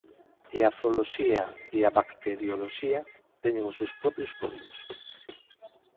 E a zooloxía e a bacterioloxía teñen os seus propios códigos.